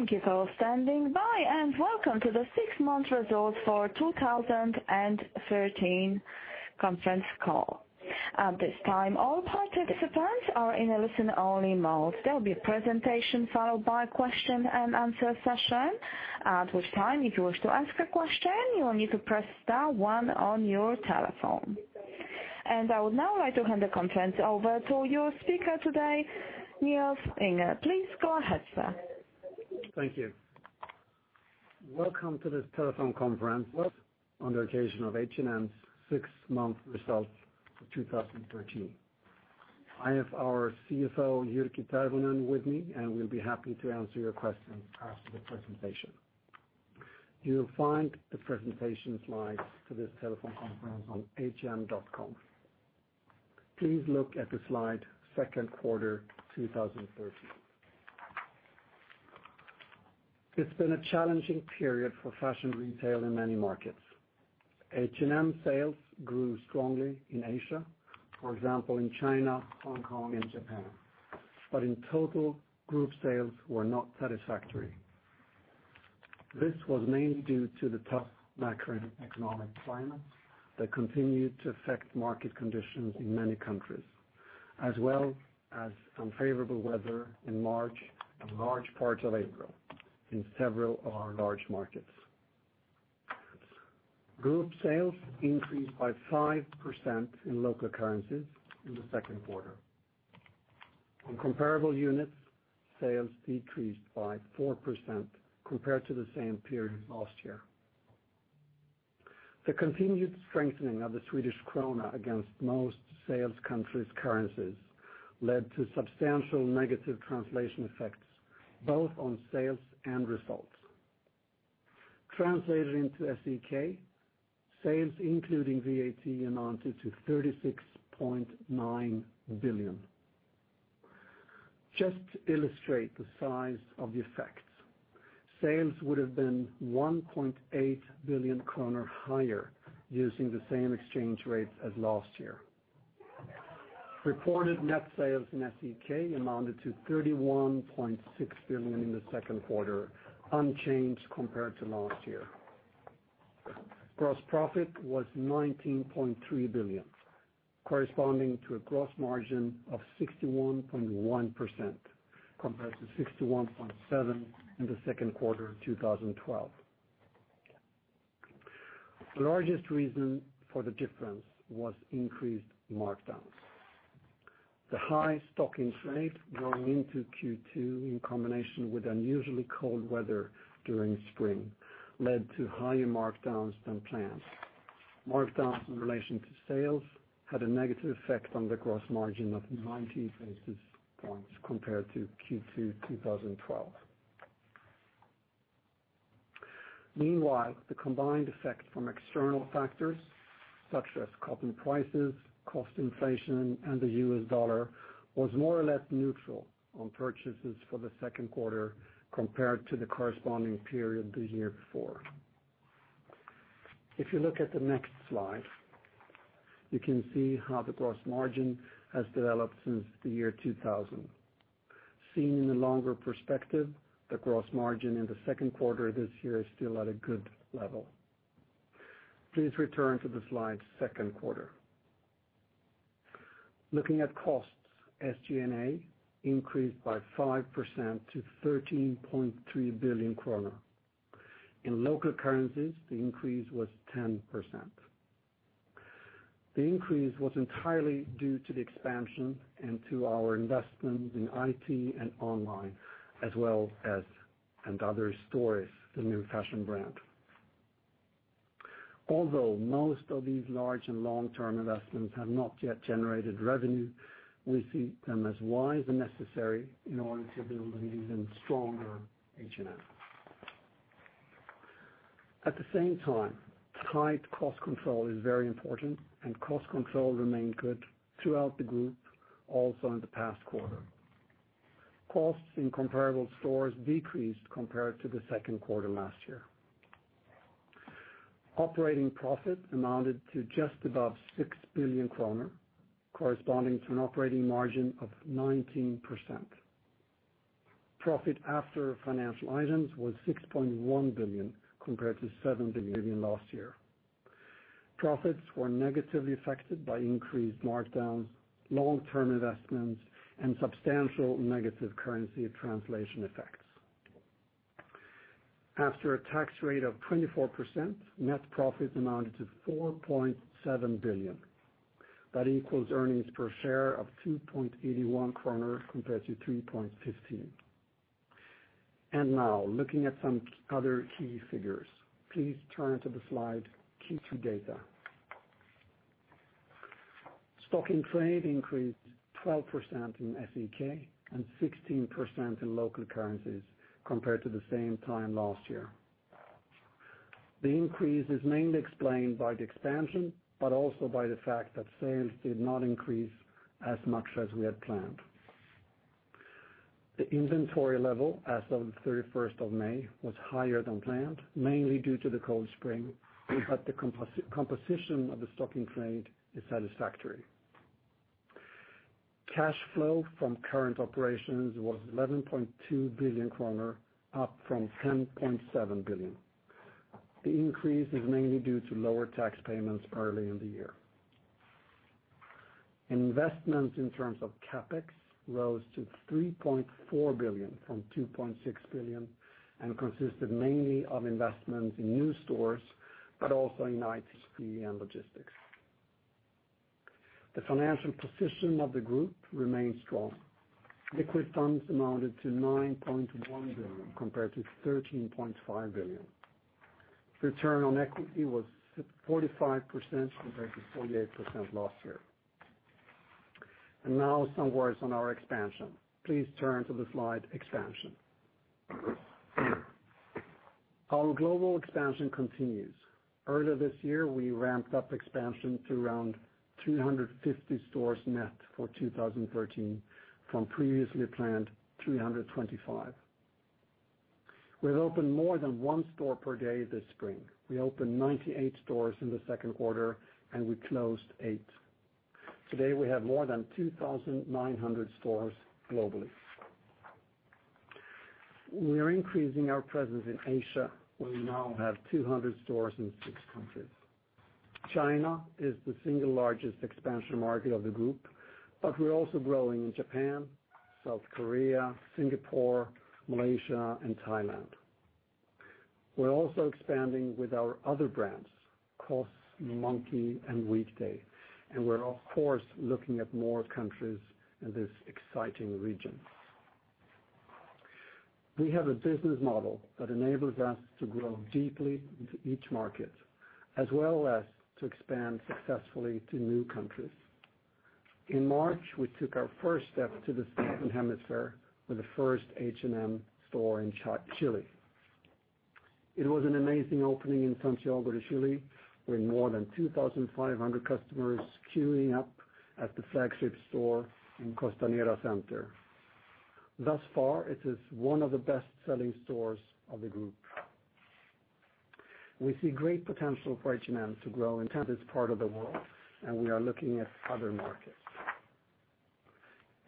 Thank you for standing by, welcome to the six-month results for 2013 conference call. At this time, all participants are in a listen-only mode. There will be a presentation followed by a question and answer session. At which time, if you wish to ask a question, you will need to press star one on your telephone. I would now like to hand the conference over to your speaker today, Nils Vinge. Please go ahead, sir. Thank you. Welcome to this telephone conference on the occasion of H&M's six-month results for 2013. I have our CFO, Jyrki Tervonen with me, we'll be happy to answer your questions after the presentation. You will find the presentation slides for this telephone conference on h&m.com. Please look at the slide, second quarter 2013. It's been a challenging period for fashion retail in many markets. H&M sales grew strongly in Asia, for example, in China, Hong Kong, and Japan. In total, group sales were not satisfactory. This was mainly due to the tough macroeconomic climate that continued to affect market conditions in many countries, as well as unfavorable weather in March and large parts of April in several of our large markets. Group sales increased by 5% in local currencies in the second quarter. On comparable units, sales decreased by 4% compared to the same period last year. The continued strengthening of the Swedish krona against most sales countries' currencies led to substantial negative translation effects, both on sales and results. Translated into SEK, sales including VAT amounted to 36.9 billion. Just to illustrate the size of the effects, sales would have been 1.8 billion kronor higher using the same exchange rates as last year. Reported net sales in SEK amounted to 31.6 billion in the second quarter, unchanged compared to last year. Gross profit was 19.3 billion, corresponding to a gross margin of 61.1%, compared to 61.7% in the second quarter of 2012. The largest reason for the difference was increased markdowns. The high stocking rate going into Q2 in combination with unusually cold weather during spring led to higher markdowns than planned. Markdowns in relation to sales had a negative effect on the gross margin of 90 basis points compared to Q2 2012. Meanwhile, the combined effect from external factors such as cotton prices, cost inflation, and the US dollar was more or less neutral on purchases for the second quarter compared to the corresponding period the year before. If you look at the next slide, you can see how the gross margin has developed since the year 2000. Seen in a longer perspective, the gross margin in the second quarter this year is still at a good level. Please return to the slide, second quarter. Looking at costs, SG&A increased by 5% to 13.3 billion kronor. In local currencies, the increase was 10%. The increase was entirely due to the expansion into our investments in IT and online, as well as & Other Stories, the new fashion brand. Although most of these large and long-term investments have not yet generated revenue, we see them as wise and necessary in order to build an even stronger H&M. At the same time, tight cost control is very important, and cost control remained good throughout the group also in the past quarter. Costs in comparable stores decreased compared to the second quarter last year. Operating profit amounted to just above 6 billion kronor, corresponding to an operating margin of 19%. Profit after financial items was 6.1 billion, compared to 7 billion last year. Profits were negatively affected by increased markdowns, long-term investments, and substantial negative currency translation effects. After a tax rate of 24%, net profits amounted to 4.7 billion. That equals earnings per share of 2.81 kronor compared to 3.15. Now looking at some other key figures. Please turn to the slide, Q2 data. Stock in trade increased 12% in SEK and 16% in local currencies compared to the same time last year. The increase is mainly explained by the expansion, but also by the fact that sales did not increase as much as we had planned. The inventory level as of the 31st of May was higher than planned, mainly due to the cold spring, but the composition of the stock in trade is satisfactory. Cash flow from current operations was 11.2 billion kronor, up from 10.7 billion. The increase is mainly due to lower tax payments early in the year. Investments in terms of CapEx rose to 3.4 billion from 2.6 billion, and consisted mainly of investments in new stores, but also in IT, CP, and logistics. The financial position of the group remains strong. Liquid funds amounted to 9.1 billion compared to 13.5 billion. Return on equity was 45% compared to 48% last year. Now some words on our expansion. Please turn to the slide, expansion. Our global expansion continues. Earlier this year, we ramped up expansion to around 250 stores net for 2013 from previously planned 325. We've opened more than one store per day this spring. We opened 98 stores in the second quarter, and we closed eight. Today, we have more than 2,900 stores globally. We are increasing our presence in Asia, where we now have 200 stores in six countries. China is the single largest expansion market of the group, but we're also growing in Japan, South Korea, Singapore, Malaysia, and Thailand. We're also expanding with our other brands, COS, Monki, and Weekday. We're of course, looking at more countries in this exciting region. We have a business model that enables us to grow deeply into each market as well as to expand successfully to new countries. In March, we took our first step to the Southern Hemisphere with the first H&M store in Chile. It was an amazing opening in Santiago de Chile, with more than 2,500 customers queuing up at the flagship store in Costanera Center. Thus far, it is one of the best-selling stores of the group. We see great potential for H&M to grow in this part of the world, and we are looking at other markets.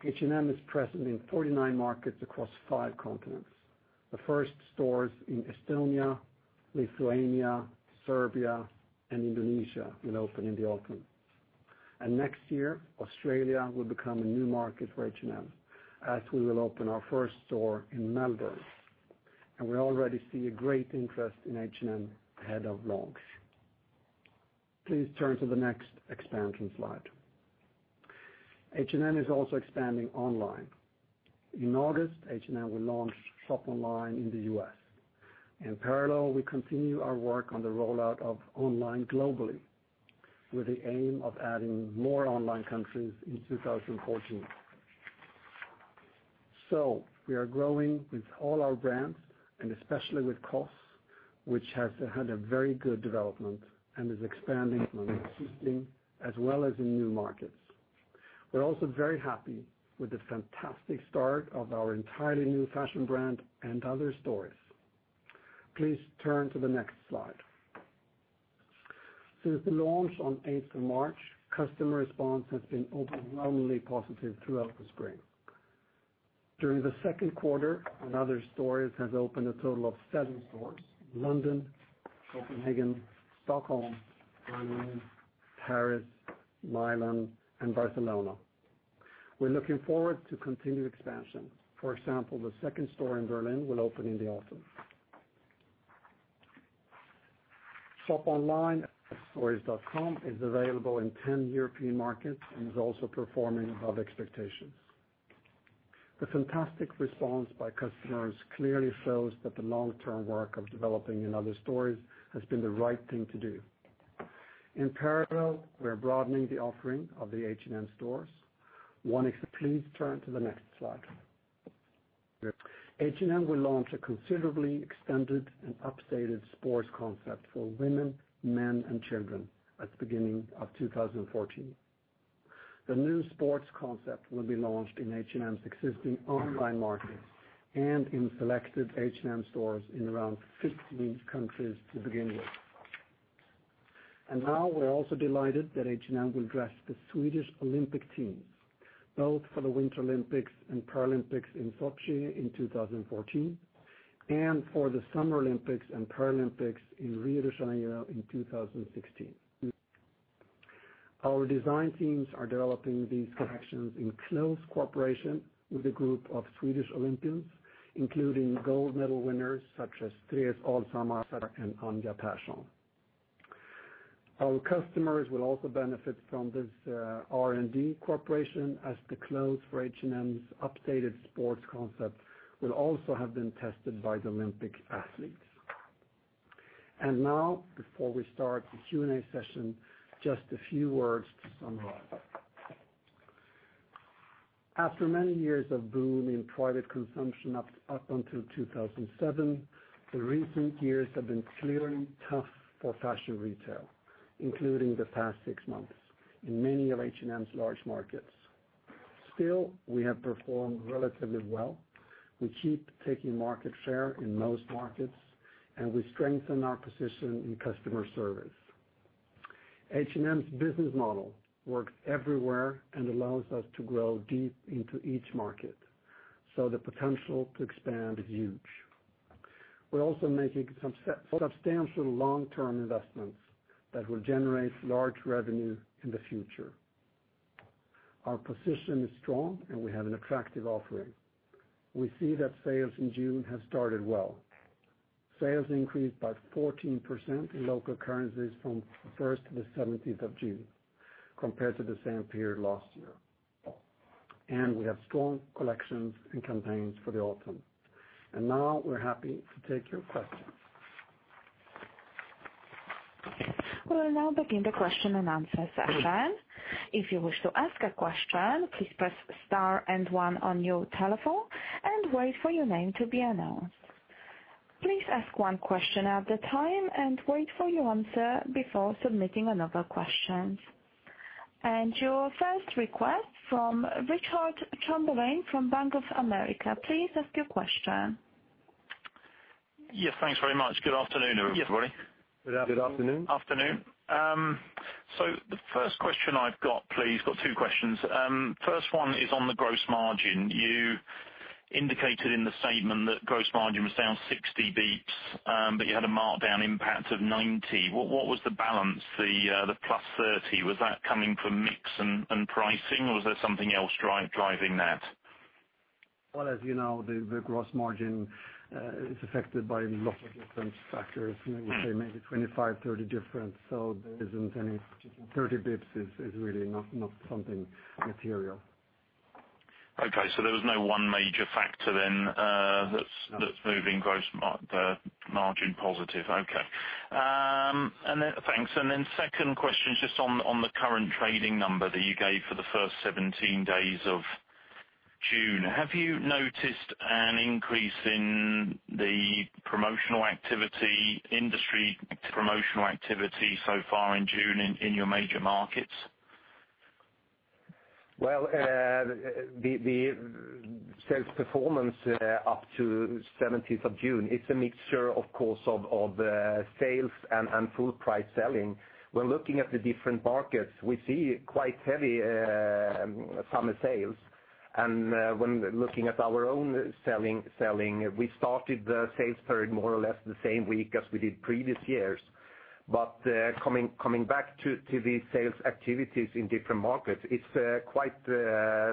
H&M is present in 49 markets across five continents. The first stores in Estonia, Lithuania, Serbia, and Indonesia will open in the autumn. Next year, Australia will become a new market for H&M, as we will open our first store in Melbourne. We already see a great interest in H&M ahead of launch. Please turn to the next expansion slide. H&M is also expanding online. In August, H&M will launch shop online in the U.S. In parallel, we continue our work on the rollout of online globally with the aim of adding more online countries in 2014. We are growing with all our brands and especially with COS, which has had a very good development and is expanding from existing as well as in new markets. We're also very happy with the fantastic start of our entirely new fashion brand & Other Stories. Please turn to the next slide. Since the launch on eighth of March, customer response has been overwhelmingly positive throughout the spring. During the second quarter, & Other Stories has opened a total of seven stores. London, Copenhagen, Stockholm, Berlin, Paris, Milan, and Barcelona. We're looking forward to continued expansion. For example, the second store in Berlin will open in the autumn. Shop online at otherstories.com is available in 10 European markets and is also performing above expectations. The fantastic response by customers clearly shows that the long-term work of developing & Other Stories has been the right thing to do. In parallel, we are broadening the offering of the H&M stores. Please turn to the next slide. H&M will launch a considerably extended and updated sports concept for women, men, and children at the beginning of 2014. The new sports concept will be launched in H&M's existing online markets and in selected H&M stores in around 15 countries to begin with. Now we're also delighted that H&M will dress the Swedish Olympic team, both for the Winter Olympics and Paralympics in Sochi in 2014 and for the Summer Olympics and Paralympics in Rio de Janeiro in 2016. Our design teams are developing these collections in close cooperation with a group of Swedish Olympians, including gold medal winners such as Therese Johaug and Anja Pärson. Our customers will also benefit from this R&D cooperation as the clothes for H&M's updated sports concept will also have been tested by the Olympic athletes. Now, before we start the Q&A session, just a few words to summarize. After many years of boom in private consumption up until 2007, the recent years have been clearly tough for fashion retail, including the past six months in many of H&M's large markets. Still, we have performed relatively well. We keep taking market share in most markets, we strengthen our position in customer service. H&M's business model works everywhere and allows us to grow deep into each market, the potential to expand is huge. We're also making some substantial long-term investments that will generate large revenue in the future. Our position is strong, we have an attractive offering. We see that sales in June have started well. Sales increased by 14% in local currencies from the 1st to the 17th of June compared to the same period last year. We have strong collections and campaigns for the autumn. Now we're happy to take your questions. We will now begin the question and answer session. If you wish to ask a question, please press star and one on your telephone and wait for your name to be announced. Please ask one question at a time and wait for your answer before submitting another question. Your first request from Richard Chamberlain from Bank of America. Please ask your question. Yes, thanks very much. Good afternoon, everybody. Good afternoon. Good afternoon. Afternoon. The first question I've got, please, got two questions. First one is on the gross margin. You indicated in the statement that gross margin was down 60 basis points, but you had a markdown impact of 90 basis points. What was the balance, the plus 30 basis points? Was that coming from mix and pricing, or was there something else driving that? Well, as you know, the gross margin is affected by a lot of different factors, we say maybe 25, 30 different, there isn't any, 30 basis points is really not something material. Okay, there was no one major factor then that's moving gross margin positive. Okay. Thanks. Second question is just on the current trading number that you gave for the first 17 days of June. Have you noticed an increase in the promotional activity, industry promotional activity so far in June in your major markets? Well, the sales performance up to 17th of June, it's a mixture, of course, of sales and full price selling. We're looking at the different markets. We see quite heavy summer sales. When looking at our own selling, we started the sales period more or less the same week as we did previous years. Coming back to the sales activities in different markets, it's quite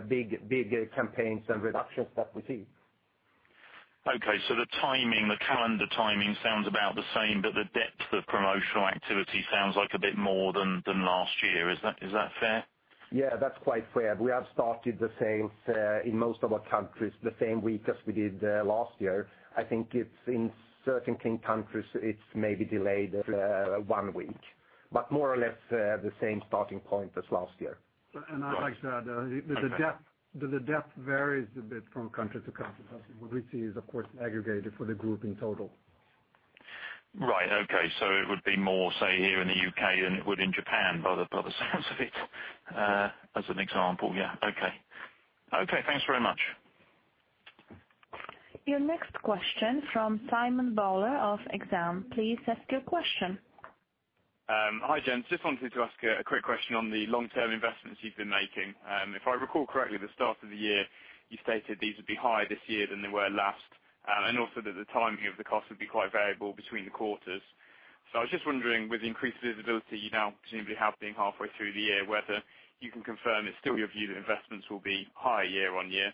big campaigns and reductions that we see. Okay, the timing, the calendar timing sounds about the same, but the depth of promotional activity sounds like a bit more than last year. Is that fair? Yeah, that's quite fair. We have started the sales in most of our countries the same week as we did last year. I think it's in certain key countries, it's maybe delayed one week, but more or less, the same starting point as last year. I'd like to add, the depth varies a bit from country to country. What we see is, of course, aggregated for the group in total. Right. Okay. It would be more, say, here in the U.K. than it would in Japan, by the sounds of it, as an example. Yeah. Okay. Okay, thanks very much. Your next question from Simon Bowler of Exane. Please ask your question. Hi, gents. Just wanted to ask a quick question on the long-term investments you've been making. If I recall correctly, the start of the year, you stated these would be higher this year than they were last, and also that the timing of the cost would be quite variable between the quarters. I was just wondering, with the increased visibility you now presumably have being halfway through the year, whether you can confirm it's still your view that investments will be higher year-on-year,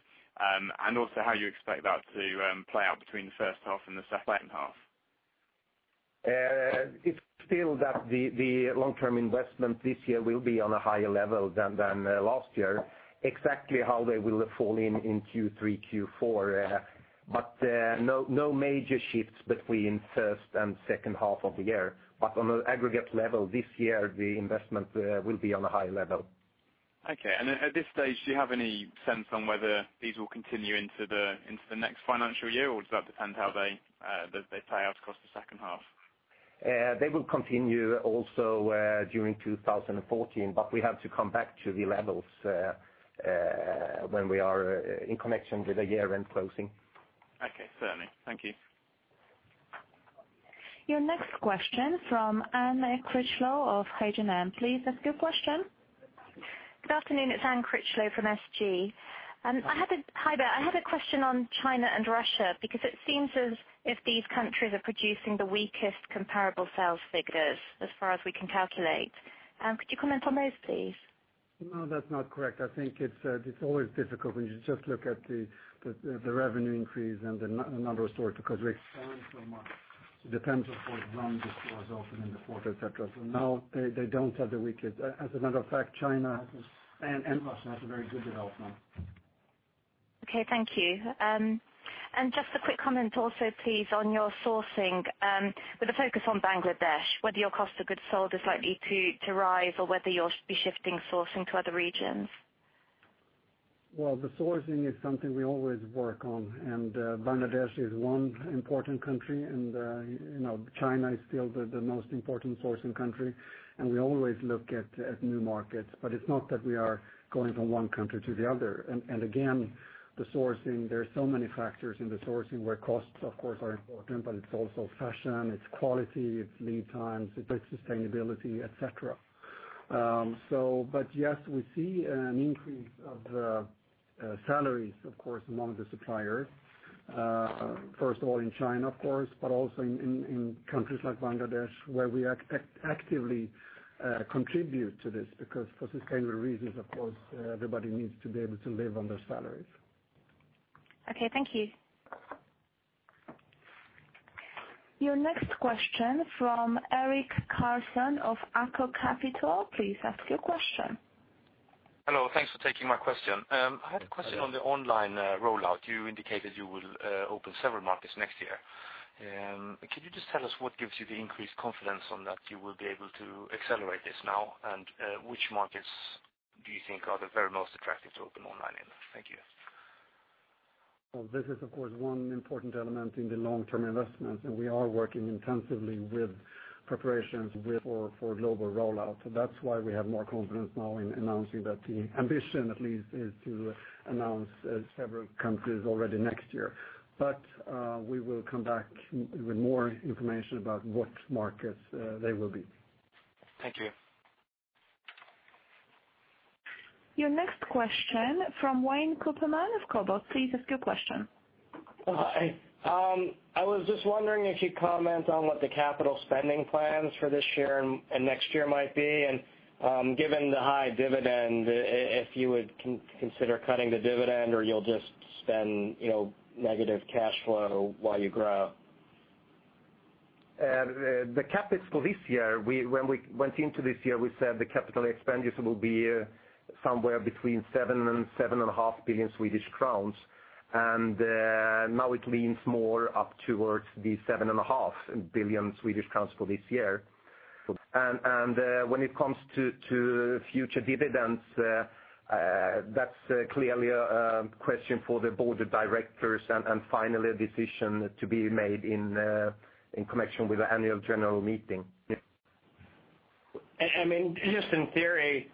and also how you expect that to play out between the first half and the second half. It's still that the long-term investment this year will be on a higher level than last year. Exactly how they will fall in Q3, Q4. No major shifts between first and second half of the year. On an aggregate level this year, the investment will be on a higher level. Okay. At this stage, do you have any sense on whether these will continue into the next financial year, or does that depend how they pay out across the second half? They will continue also during 2014, but we have to come back to the levels when we are in connection with the year-end closing. Okay. Certainly. Thank you. Your next question from Anne Critchlow of Houlihan. Please ask your question. Good afternoon. It's Anne Critchlow from SG. Hi there. I had a question on China and Russia because it seems as if these countries are producing the weakest comparable sales figures as far as we can calculate. Could you comment on those, please? No, that's not correct. I think it's always difficult when you just look at the revenue increase and the number of stores because we expand so much. It depends, of course, when the stores open in the quarter, et cetera. No, they don't have the weakest. As a matter of fact, China and Russia has a very good development. Okay. Thank you. Just a quick comment also, please, on your sourcing, with a focus on Bangladesh, whether your cost of goods sold is likely to rise or whether you'll be shifting sourcing to other regions. Well, the sourcing is something we always work on, and Bangladesh is one important country, and China is still the most important sourcing country, and we always look at new markets, but it's not that we are going from one country to the other. Again, the sourcing, there are so many factors in the sourcing where costs, of course, are important, but it's also fashion, it's quality, it's lead times, it's sustainability, et cetera. Yes, we see an increase of the salaries, of course, among the suppliers. First of all, in China, of course, but also in countries like Bangladesh, where we actively contribute to this because for sustainable reasons, of course, everybody needs to be able to live on their salaries. Okay. Thank you. Your next question from Eric Carson of AKO Capital. Please ask your question. Hello. Thanks for taking my question. Yes. I had a question on the online rollout. You indicated you will open several markets next year. Can you just tell us what gives you the increased confidence on that you will be able to accelerate this now? Which markets do you think are the very most attractive to open online in? Thank you. Well, this is, of course, one important element in the long-term investment, and we are working intensively with preparations for global rollout. That's why we have more confidence now in announcing that the ambition, at least, is to announce several countries already next year. We will come back with more information about what markets they will be. Thank you. Your next question from John Kernan of Cowen. Please ask your question. Hi. I was just wondering if you'd comment on what the capital spending plans for this year and next year might be, and given the high dividend, if you would consider cutting the dividend or you'll just spend negative cash flow while you grow. The CapEx for this year, when we went into this year, we said the capital expenditures will be somewhere between 7 billion and 7.5 billion SEK, and now it leans more up towards the 7.5 billion SEK for this year. When it comes to future dividends, that's clearly a question for the board of directors and finally, a decision to be made in connection with the annual general meeting. Just in theory,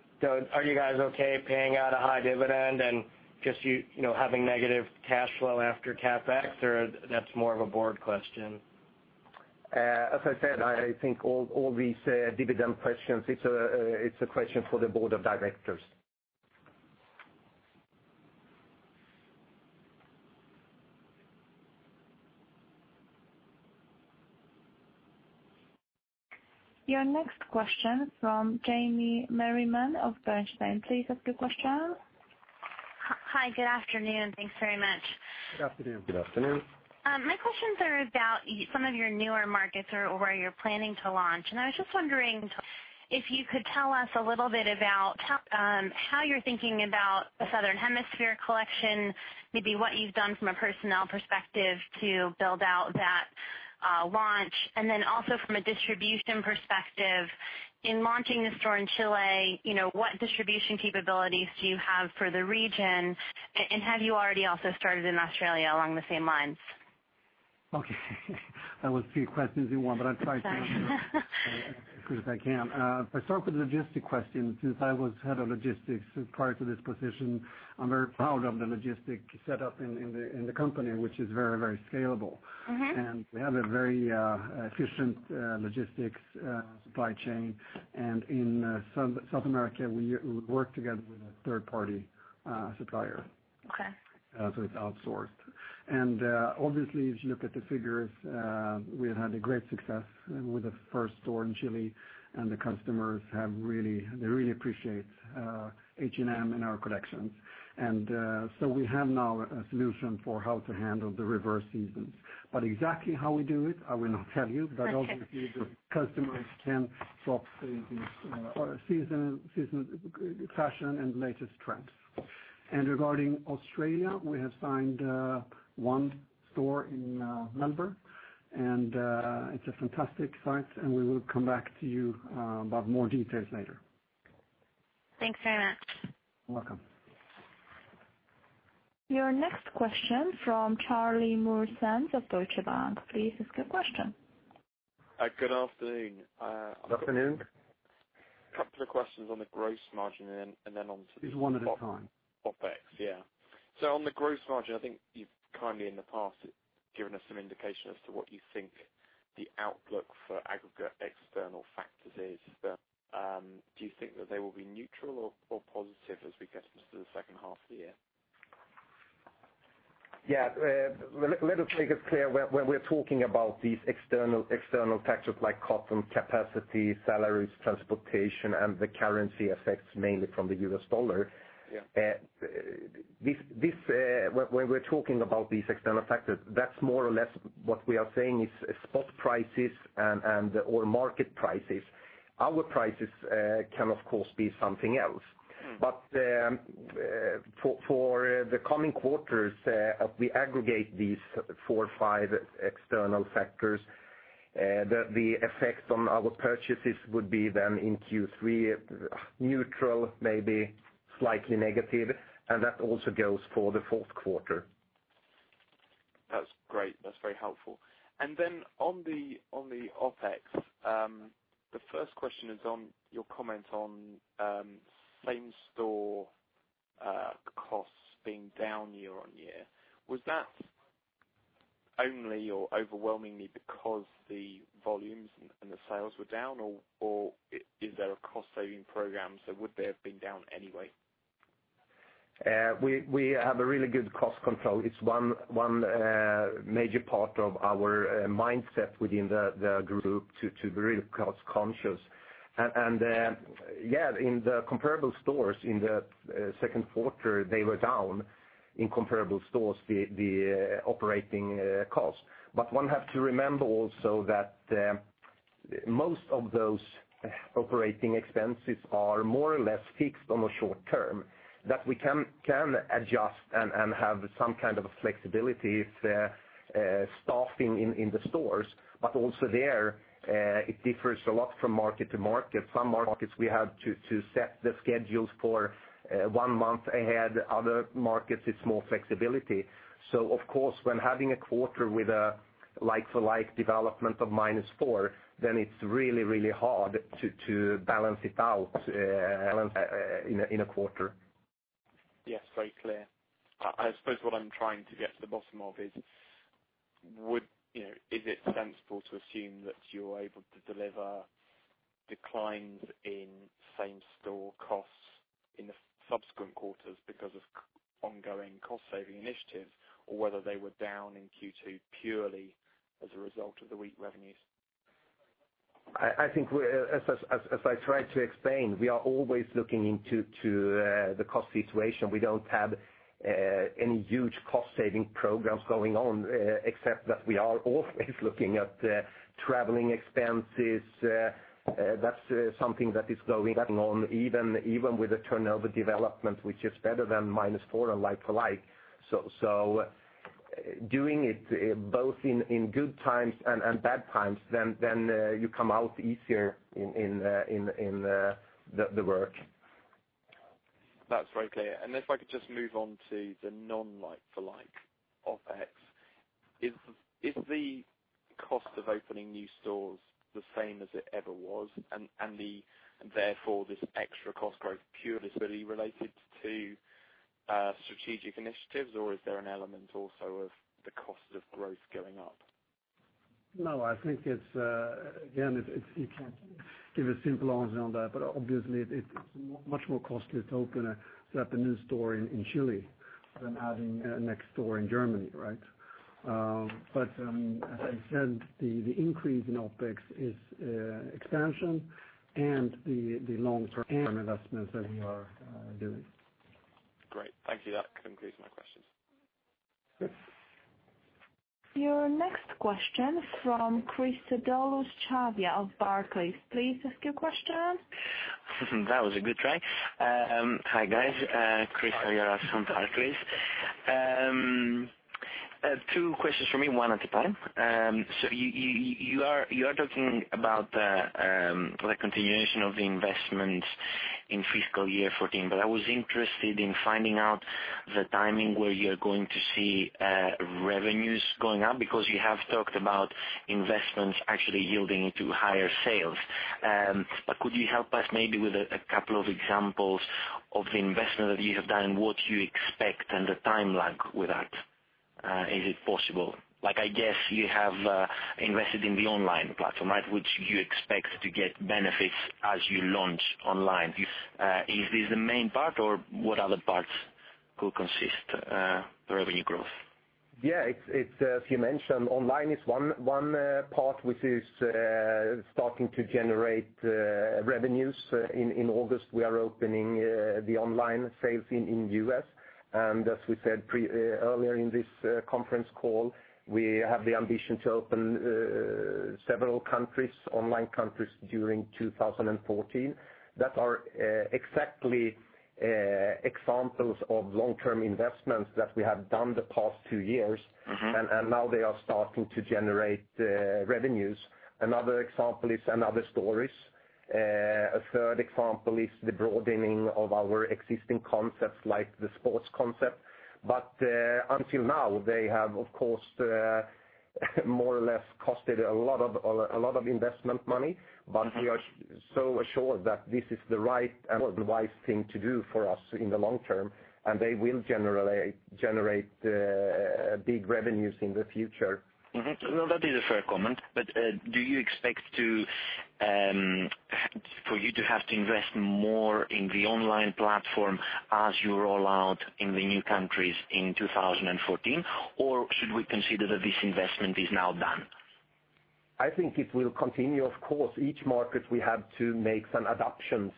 are you guys okay paying out a high dividend and just you having negative cash flow after CapEx, or that is more of a board question? As I said, I think all these dividend questions, it's a question for the board of directors. Your next question from Jamie Merriman of Bernstein. Please ask your question. Hi. Good afternoon. Thanks very much. Good afternoon. Good afternoon. My questions are about some of your newer markets or where you're planning to launch. I was just wondering if you could tell us a little bit about how you're thinking about the Southern Hemisphere collection, maybe what you've done from a personnel perspective to build out that launch. Then also from a distribution perspective, in launching the store in Chile, what distribution capabilities do you have for the region? Have you already also started in Australia along the same lines? Okay. That was three questions in one, but I'll try to answer. Sorry. As good as I can. If I start with the logistic question, since I was head of logistics prior to this position, I'm very proud of the logistic setup in the company, which is very scalable. We have a very efficient logistics supply chain, and in South America, we work together with a third-party supplier. Okay. It's outsourced. Obviously, as you look at the figures, we have had great success with the first store in Chile, and the customers, they really appreciate H&M and our collections. We have now a solution for how to handle the reverse seasons. Exactly how we do it, I will not tell you. Okay. Obviously, the customers can shop the season fashion and latest trends. Regarding Australia, we have signed one store in Melbourne, and it's a fantastic site, and we will come back to you about more details later. Thanks very much. You're welcome. Your next question from Charlie Morris of Deutsche Bank. Please ask your question. Good afternoon. Good afternoon. Couple of questions on the gross margin. Please one at a time OpEx, yeah. On the gross margin, I think you've kindly, in the past, given us some indication as to what you think the outlook for aggregate external factors is. Do you think that they will be neutral or positive as we get into the second half of the year? Yeah. Let us make it clear, when we're talking about these external factors like cotton capacity, salaries, transportation, and the currency effects, mainly from the US dollar. Yeah When we're talking about these external factors, that's more or less what we are saying is spot prices and/or market prices. Our prices can, of course, be something else. For the coming quarters, as we aggregate these four or five external factors, the effects on our purchases would be then in Q3, neutral, maybe slightly negative, and that also goes for the fourth quarter. That's great. That's very helpful. On the OpEx, the first question is on your comment on same-store costs being down year-on-year. Was that only or overwhelmingly because the volumes and the sales were down, or is there a cost-saving program, so would they have been down anyway? We have a really good cost control. It's one major part of our mindset within the group to be really cost-conscious. In the comparable stores in the second quarter, they were down in comparable stores, the operating costs. One has to remember also that most of those operating expenses are more or less fixed on the short term, that we can adjust and have some kind of flexibility with staffing in the stores. Also there, it differs a lot from market to market. Some markets, we have to set the schedules for one month ahead. Other markets, it's more flexibility. Of course, when having a quarter with a like-for-like development of -4%, it's really hard to balance it out in a quarter. Yes, very clear. I suppose what I'm trying to get to the bottom of is it sensible to assume that you're able to deliver declines in same-store costs in the subsequent quarters because of ongoing cost-saving initiatives or whether they were down in Q2 purely as a result of the weak revenues? I think as I tried to explain, we are always looking into the cost situation. We don't have any huge cost-saving programs going on, except that we are always looking at traveling expenses. That's something that is going on even with the turnover development, which is better than -4% like for like. Doing it both in good times and bad times, then you come out easier in the work. That's very clear. If I could just move on to the non-like for like OpEx. Is the cost of opening new stores the same as it ever was and therefore this extra cost growth purely related to strategic initiatives or is there an element also of the cost of growth going up? I think it's, again, you can't give a simple answer on that, but obviously it's much more costly to open a new store in Chile than adding a next store in Germany, right? As I said, the increase in OpEx is expansion and the long-term investments that we are doing. Great. Thank you. That concludes my questions. Good. Your next question from Christodoulos Chaviaras of Barclays. Please ask your question. That was a good try. Hi, guys. Chris Chaviaras here from Barclays. Two questions from me, one at a time. You are talking about the continuation of the investments in fiscal year 2014, but I was interested in finding out the timing where you're going to see revenues going up because you have talked about investments actually yielding into higher sales. Could you help us maybe with a couple of examples of the investment that you have done and what you expect and the time lag with that? Is it possible? I guess you have invested in the online platform, at which you expect to get benefits as you launch online. Is this the main part or what other parts could consist the revenue growth? Yeah. As you mentioned, online is one part which is starting to generate revenues. In August, we are opening the online sales in U.S., and as we said earlier in this conference call, we have the ambition to open several online countries during 2014. That are exactly examples of long-term investments that we have done the past two years. Now they are starting to generate revenues. Another example is & Other Stories. A third example is the broadening of our existing concepts like the sports concept. Until now, they have, of course, more or less costed a lot of investment money. We are so assured that this is the right and wise thing to do for us in the long term, and they will generate big revenues in the future. No, that is a fair comment. Do you expect for you to have to invest more in the online platform as you roll out in the new countries in 2014? Should we consider that this investment is now done? I think it will continue, of course. Each market we have to make some adaptations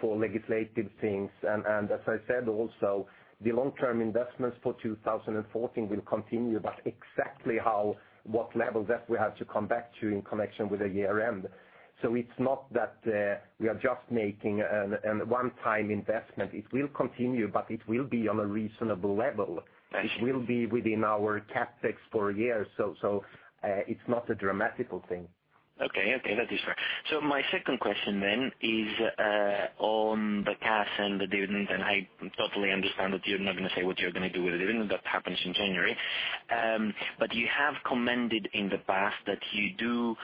for legislative things. As I said also, the long-term investments for 2014 will continue, but exactly how, what level that we have to come back to in connection with the year-end. It's not that we are just making an one-time investment. It will continue, but it will be on a reasonable level. Thank you. It will be within our CapEx for a year, so it's not a dramatic thing. Okay. That is fair. My second question then is on the cash and the dividend. I totally understand that you're not going to say what you're going to do with the dividend. That happens in January. You have commented in the past that you do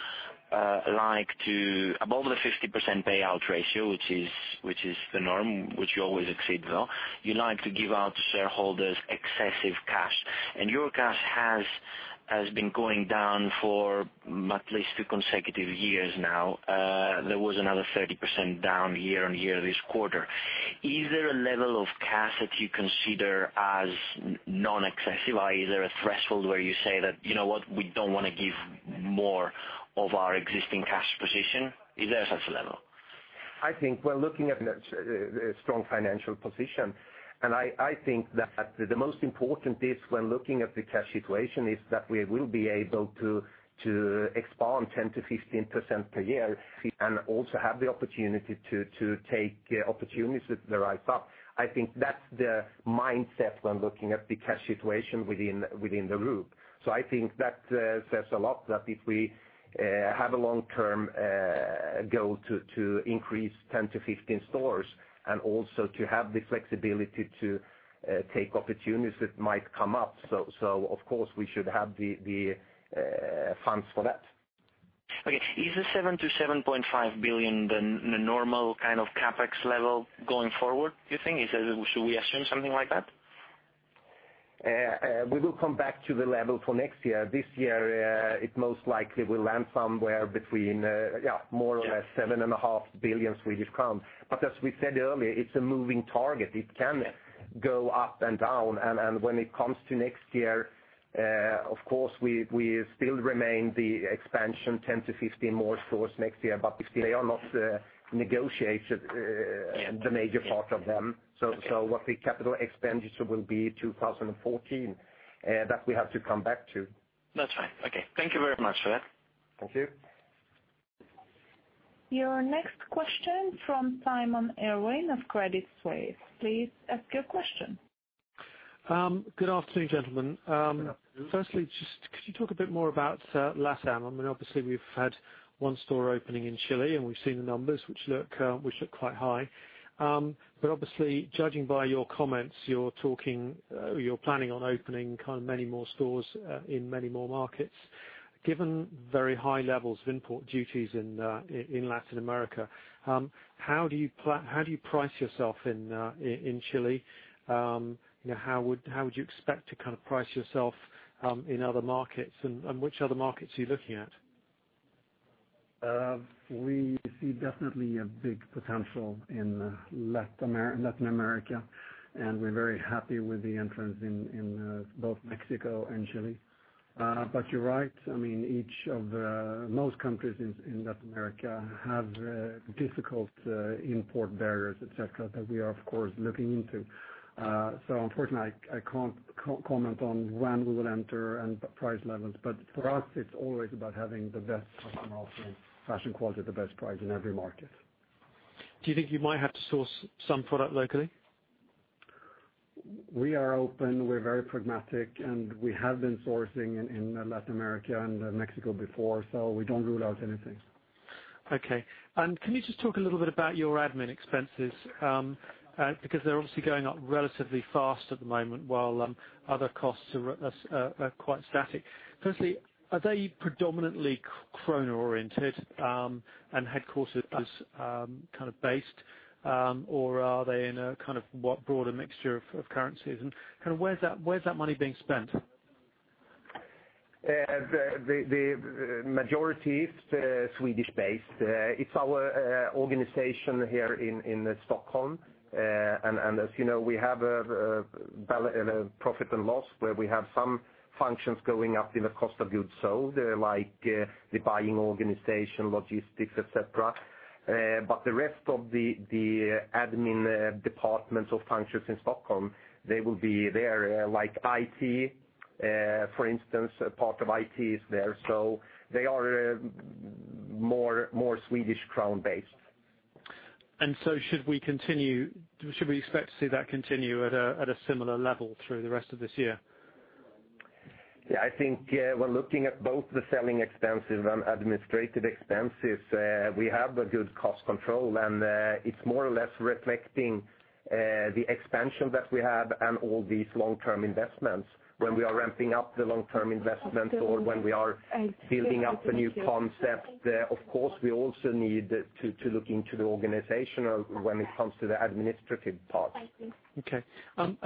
You like to above the 50% payout ratio, which is the norm, which you always exceed though. You like to give out to shareholders excessive cash, and your cash has been going down for at least two consecutive years now. There was another 30% down year-on-year this quarter. Is there a level of cash that you consider as non-excessive? Is there a threshold where you say that, "You know what? We don't want to give more of our existing cash position." Is there such a level? I think we're looking at a strong financial position, and I think that the most important is when looking at the cash situation is that we will be able to expand 10%-15% per year, and also have the opportunity to take opportunities as they rise up. I think that's the mindset when looking at the cash situation within the group. I think that says a lot that if we have a long-term goal to increase 10-15 stores and also to have the flexibility to take opportunities that might come up. Of course, we should have the funds for that. Okay. Is the 7 billion-7.5 billion the normal kind of CapEx level going forward, do you think? Should we assume something like that? We will come back to the level for next year. This year, it most likely will land somewhere between more or less 7.5 billion Swedish crowns. As we said earlier, it's a moving target. It can go up and down, and when it comes to next year, of course, we still remain the expansion 10-15 more stores next year, but they are not negotiated, the major part of them. What the capital expenditure will be 2014, that we have to come back to. That's fine. Okay. Thank you very much for that. Thank you. Your next question from Simon Irwin of Credit Suisse. Please ask your question. Good afternoon, gentlemen. Good afternoon. Firstly, just could you talk a bit more about LATAM? I mean, obviously, we've had one store opening in Chile, and we've seen the numbers which look quite high. Obviously, judging by your comments, you're planning on opening many more stores in many more markets. Given very high levels of import duties in Latin America, how do you price yourself in Chile? How would you expect to price yourself in other markets, and which other markets are you looking at? We see definitely a big potential in Latin America, we're very happy with the entrance in both Mexico and Chile. You're right. Most countries in Latin America have difficult import barriers, et cetera, that we are, of course, looking into. Unfortunately, I can't comment on when we will enter and price levels. For us, it's always about having the best customer offer, fashion quality at the best price in every market. Do you think you might have to source some product locally? We are open, we're very pragmatic. We have been sourcing in Latin America and Mexico before, we don't rule out anything. Okay. Can you just talk a little bit about your admin expenses? Because they're obviously going up relatively fast at the moment while other costs are quite static. Firstly, are they predominantly krona-oriented, headquarters based or are they in a broader mixture of currencies? Where's that money being spent? The majority is Swedish-based. It's our organization here in Stockholm. As you know, we have a profit and loss where we have some functions going up in the cost of goods sold, like the buying organization, logistics, et cetera. The rest of the admin departments or functions in Stockholm, they will be there, like IT, for instance, part of IT is there. They are more Swedish krona-based. Should we expect to see that continue at a similar level through the rest of this year? I think when looking at both the selling expenses and administrative expenses, we have a good cost control, and it's more or less reflecting the expansion that we have and all these long-term investments. When we are ramping up the long-term investments or when we are building up a new concept, of course, we also need to look into the organization when it comes to the administrative part. Okay.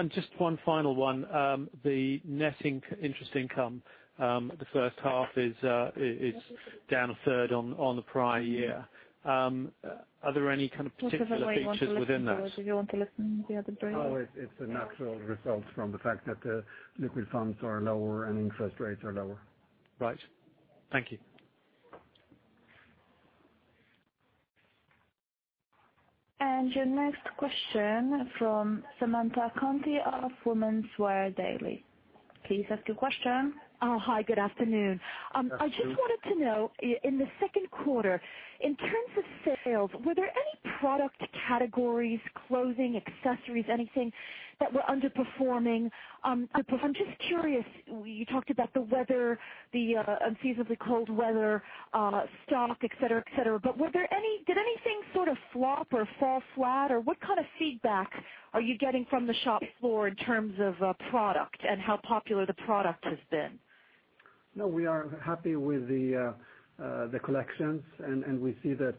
Just one final one. The net interest income the first half is down a third on the prior year. Are there any kind of particular features within that? Do you want to listen to the other brief? No, it's a natural result from the fact that the liquid funds are lower and interest rates are lower. Right. Thank you. Your next question from Samantha Conti of Women's Wear Daily. Please ask your question. Hi, good afternoon. Good afternoon. I just wanted to know, in the second quarter, in terms of sales, were there any product categories, clothing, accessories, anything that were underperforming? I'm just curious, you talked about the weather, the unseasonably cold weather, stock, et cetera. Did anything sort of flop or fall flat, or what kind of feedback are you getting from the shop floor in terms of product and how popular the product has been? No, we are happy with the collections, and we see that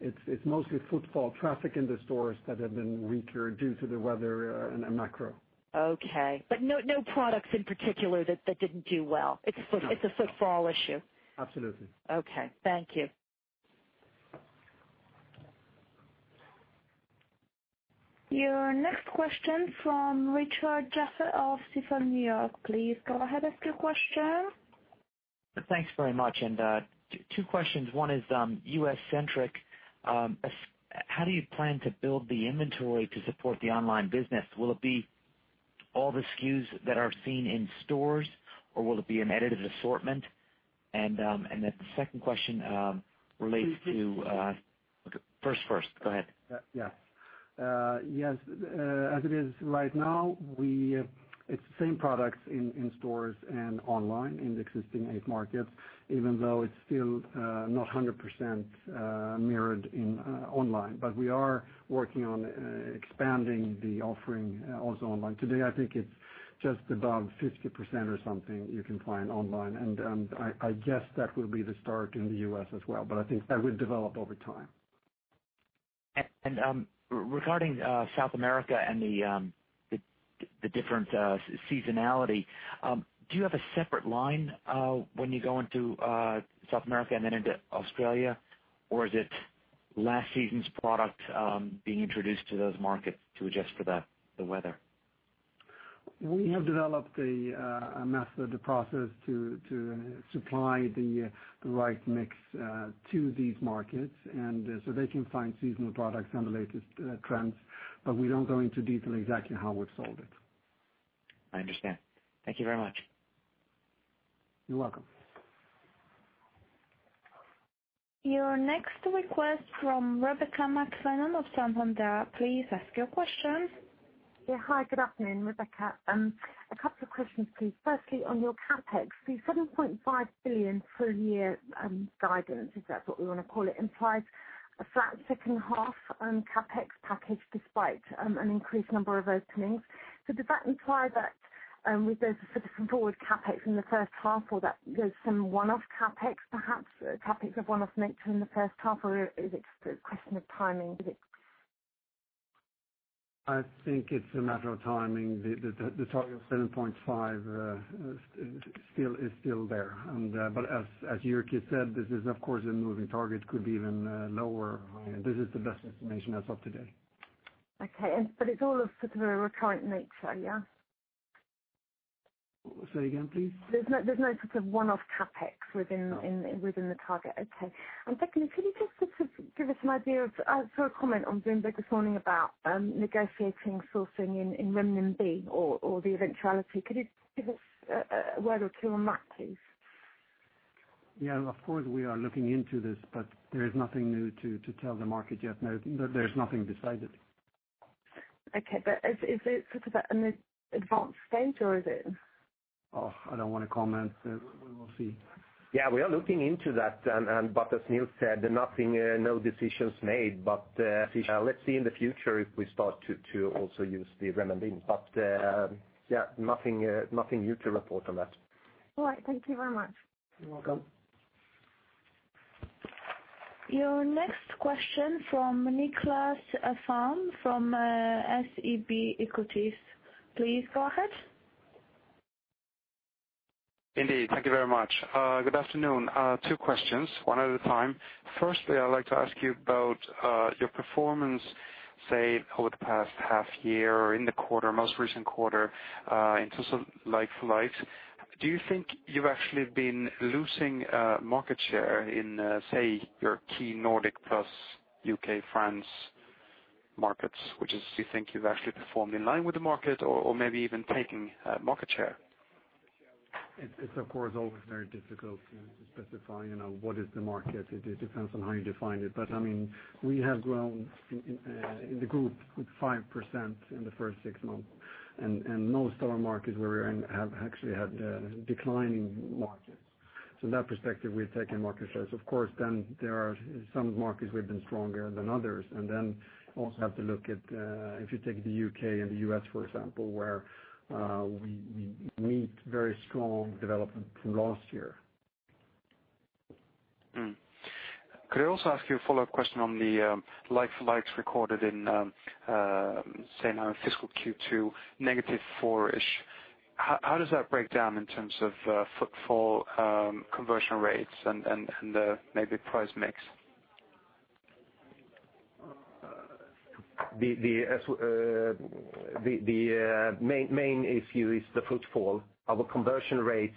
it's mostly footfall traffic in the stores that have been weaker due to the weather and macro. Okay. No products in particular that didn't do well. No It's a footfall issue. Absolutely. Okay. Thank you. Your next question from Richard Jaffe of Stifel Nicolaus. Please go ahead, ask your question. Thanks very much. Two questions. One is U.S.-centric. How do you plan to build the inventory to support the online business? Will it be all the SKUs that are seen in stores, or will it be an additive assortment? The second question relates to- Please repeat Okay. First, go ahead. Yes. As it is right now, it's the same products in stores and online in the existing eight markets, even though it's still not 100% mirrored in online. We are working on expanding the offering also online. Today, I think it's just above 50% or something you can find online. I guess that will be the start in the U.S. as well. I think that will develop over time. Regarding South America and the different seasonality, do you have a separate line when you go into South America and then into Australia, or is it last season's product being introduced to those markets to adjust for the weather? We have developed a method of process to supply the right mix to these markets, they can find seasonal products and the latest trends, we don't go into detail exactly how we've solved it. I understand. Thank you very much. You're welcome. Your next request from Rebecca McClellan of Santander. Please ask your question. Yeah. Hi, good afternoon. Rebecca. A couple of questions, please. Firstly, on your CapEx. The 7.5 billion full-year guidance, if that's what we want to call it, implies a flat second half CapEx package despite an increased number of openings. Does that imply that with those sort of forward CapEx in the first half, or that there's some one-off CapEx perhaps, CapEx of one-off nature in the first half, or is it a question of timing? Is it I think it's a matter of timing. The target of 7.5 billion is still there. As Jyrki said, this is of course a moving target, could be even lower or higher. This is the best information as of today. Okay. It's all of sort of a recurrent nature, yeah? Say again, please. There's no sort of one-off CapEx within the target. Okay. Secondly, could you just give us an idea of, I saw a comment on Bloomberg this morning about negotiating sourcing in renminbi or the eventuality. Could you give us a word or two on that, please? Yeah, of course we are looking into this, there is nothing new to tell the market yet. No, there's nothing decided. Okay. Is it sort of at an advanced stage, or is it Oh, I don't want to comment. We will see. Yeah, we are looking into that, but as Nils said, nothing, no decisions made. Let's see in the future if we start to also use the renminbi. Yeah, nothing new to report on that. All right. Thank you very much. You're welcome. Your next question from Niklas Ekman from SEB Equities. Please go ahead. Indeed. Thank you very much. Good afternoon. Two questions, one at a time. Firstly, I'd like to ask you about your performance, say, over the past half year or in the most recent quarter, in terms of like-for-like. Do you think you've actually been losing market share in, say, your key Nordic plus U.K., France markets? Which is, do you think you've actually performed in line with the market or maybe even taking market share? It's of course always very difficult to specify what is the market. It depends on how you define it. We have grown in the group with 5% in the first six months, most of our markets have actually had declining markets. In that perspective, we've taken market shares. Of course, there are some markets we've been stronger than others. Also have to look at, if you take the U.K. and the U.S., for example, where we meet very strong development from last year. Could I also ask you a follow-up question on the like-for-likes recorded in, say now fiscal Q2, negative four-ish. How does that break down in terms of footfall conversion rates and maybe price mix? The main issue is the footfall. Our conversion rates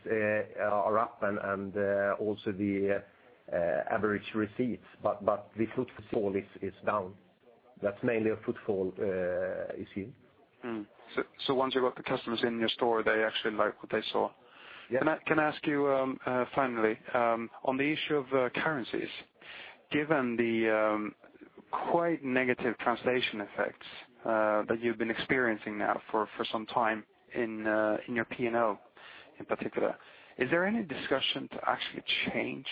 are up and also the average receipts, but the footfall is down. That's mainly a footfall issue. Once you've got the customers in your store, they actually like what they saw. Yeah. Can I ask you, finally, on the issue of currencies, given the quite negative translation effects that you've been experiencing now for some time in your P&L in particular, is there any discussion to actually change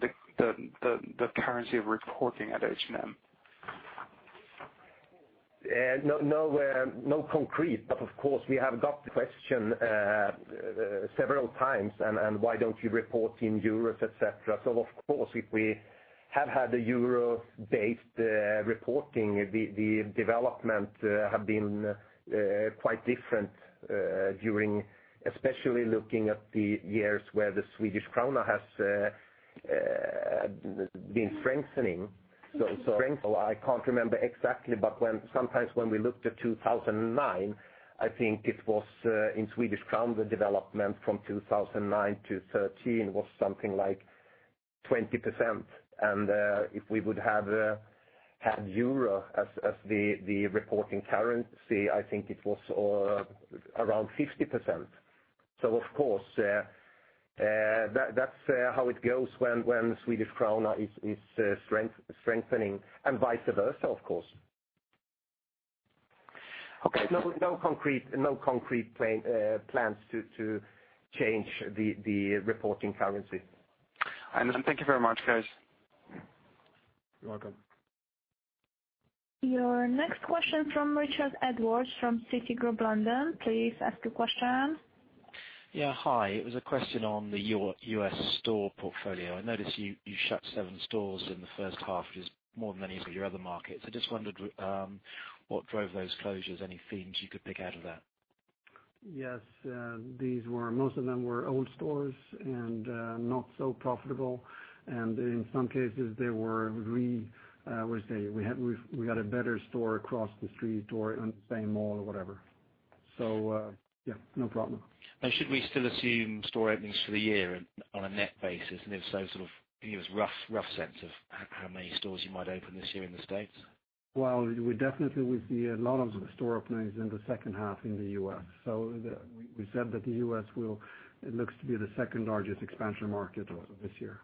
the currency of reporting at H&M? No concrete, of course, we have got the question several times why don't you report in euros, et cetera. Of course, if we have had a euro-based reporting, the development have been quite different during, especially looking at the years where the Swedish krona has been strengthening. I can't remember exactly, sometimes when we looked at 2009, I think it was in Swedish krona, the development from 2009 to 2013 was something like 20%. If we would have had euro as the reporting currency, I think it was around 50%. Of course, that's how it goes when Swedish krona is strengthening, and vice versa of course. Okay. No concrete plans to change the reporting currency. I understand. Thank you very much, guys. You're welcome. Your next question from Richard Edwards from Citigroup, London. Please ask your question. Yeah. Hi. It was a question on the U.S. store portfolio. I noticed you shut seven stores in the first half, which is more than any of your other markets. I just wondered what drove those closures. Any themes you could pick out of that? Yes. Most of them were old stores and not so profitable, and in some cases we got a better store across the street, or in the same mall, or whatever. Yeah, no problem. Should we still assume store openings for the year on a net basis? If so, can you give us rough sense of how many stores you might open this year in the U.S.? Well, we definitely will see a lot of store openings in the second half in the U.S. We said that the U.S. it looks to be the second largest expansion market this year.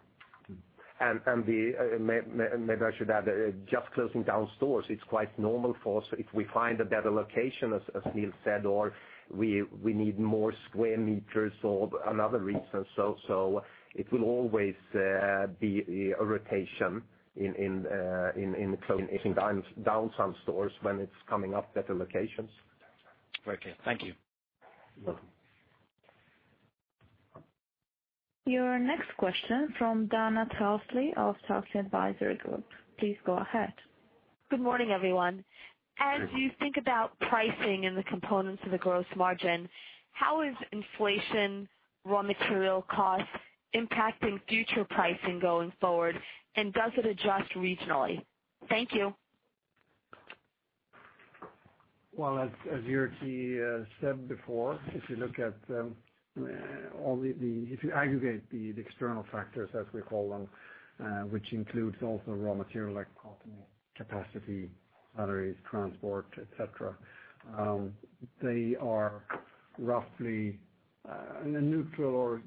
Maybe I should add, just closing down stores, it's quite normal for us if we find a better location, as Nils said, or we need more square meters or another reason. It will always be a rotation in closing down some stores when it's coming up, better locations. Okay, thank you. You're welcome. Your next question from Dana Telsey of Telsey Advisory Group. Please go ahead. Good morning, everyone. Good morning. As you think about pricing and the components of the gross margin, how is inflation, raw material costs impacting future pricing going forward, and does it adjust regionally? Thank you. Well, as Jyrki said before, if you aggregate the external factors as we call them, which includes also raw material like cotton, capacity, batteries, transport, et cetera, they are roughly in a neutral or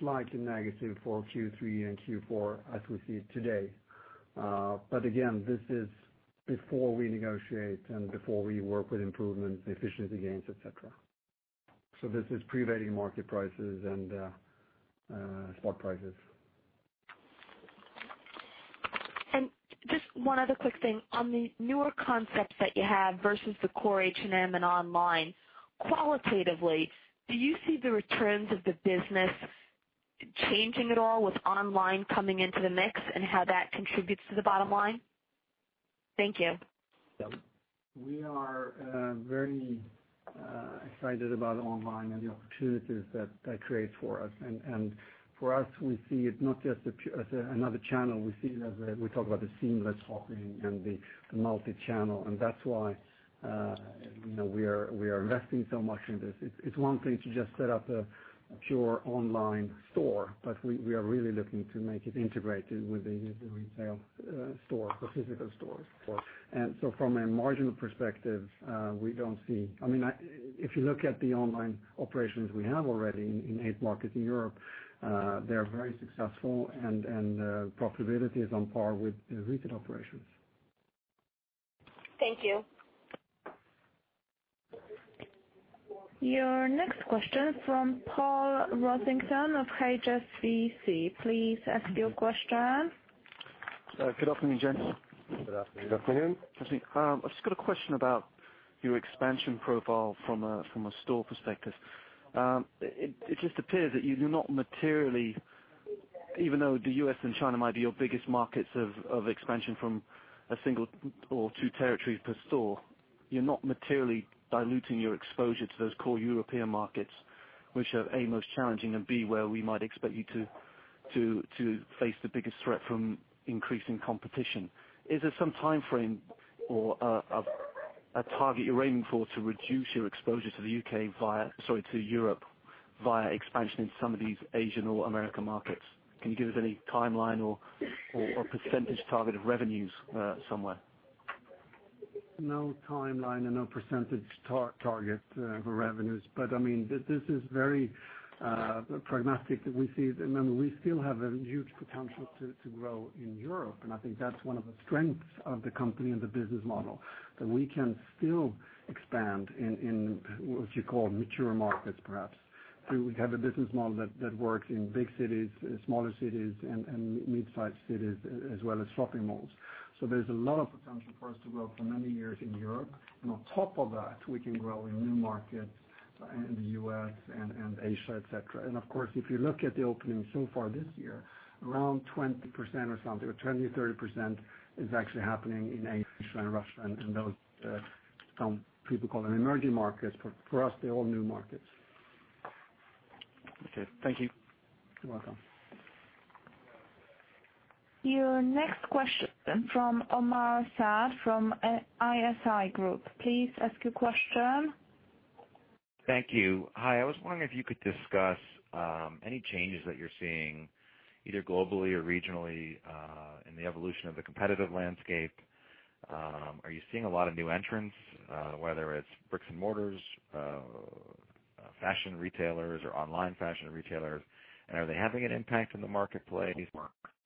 slightly negative for Q3 and Q4 as we see it today. Again, this is before we negotiate and before we work with improvement, efficiency gains, et cetera. This is prevailing market prices and spot prices. Just one other quick thing. On the newer concepts that you have versus the core H&M and online, qualitatively, do you see the returns of the business changing at all with online coming into the mix and how that contributes to the bottom line? Thank you. Yeah. We are very excited about online and the opportunities that that creates for us. For us, we see it not just as another channel, we talk about the seamless offering and the multi-channel. That's why we are investing so much in this. It's one thing to just set up a pure online store, but we are really looking to make it integrated with the retail store, the physical stores. From a marginal perspective, if you look at the online operations we have already in eight markets in Europe, they are very successful and profitability is on par with the retail operations. Thank you. Your next question from Paul Rossington of HSBC. Please ask your question. Good afternoon, gentlemen. Good afternoon. Good afternoon. I've just got a question about your expansion profile from a store perspective. It just appears that even though the U.S. and China might be your biggest markets of expansion from a single or two territories per store, you're not materially diluting your exposure to those core European markets, which are, A, most challenging, and B, where we might expect you to face the biggest threat from increasing competition. Is there some timeframe or a target you're aiming for to reduce your exposure to Europe via expansion into some of these Asian or American markets? Can you give us any timeline or percentage target of revenues somewhere? No timeline and no percentage target for revenues. This is very pragmatic that we see. Remember, we still have a huge potential to grow in Europe, and I think that's one of the strengths of the company and the business model, that we can still expand in what you call mature markets, perhaps. We have a business model that works in big cities, smaller cities, and mid-size cities, as well as shopping malls. There's a lot of potential for us to grow for many years in Europe. On top of that, we can grow in new markets in the U.S. and Asia, et cetera. Of course, if you look at the opening so far this year, around 20% or something, or 20%-30% is actually happening in Asia and Russia and those, some people call them emerging markets. For us, they're all new markets. Okay. Thank you. You're welcome. Your next question from Omar Saad from ISI Group. Please ask your question. Thank you. Hi. I was wondering if you could discuss any changes that you're seeing, either globally or regionally, in the evolution of the competitive landscape. Are you seeing a lot of new entrants, whether it's bricks-and-mortar fashion retailers or online fashion retailers? Are they having an impact in the marketplace or Fashion apparel is one of the most competitive industries in the world, and that's why we can't become complacent.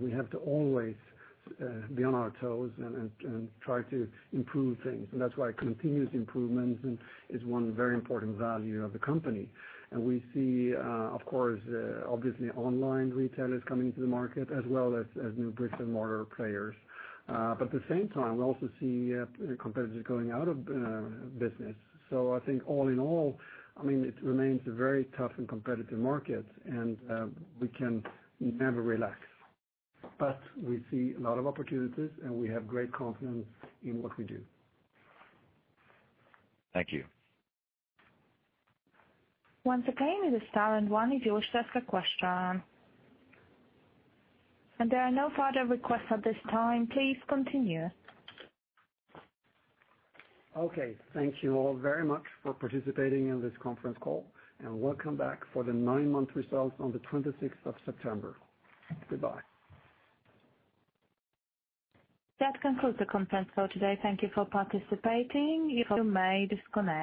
We have to always be on our toes and try to improve things. That's why continuous improvement is one very important value of the company. We see, of course, obviously online retailers coming to the market as well as new bricks-and-mortar players. At the same time, we also see competitors going out of business. I think all in all, it remains a very tough and competitive market, and we can never relax. We see a lot of opportunities, and we have great confidence in what we do. Thank you. Once again, it is star and one if you wish to ask a question. There are no further requests at this time. Please continue. Okay. Thank you all very much for participating in this conference call, and welcome back for the nine-month results on the 26th of September. Goodbye. That concludes the conference call today. Thank you for participating. You may disconnect.